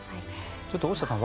ちょっと大下さん